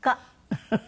フフフフ。